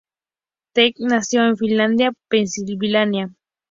Teller nació en Filadelfia, Pensilvania.